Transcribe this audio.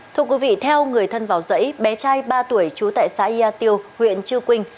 thưa quý vị theo người thân vào dãy bé trai ba tuổi trú tại xã yà tiêu huyện chư quynh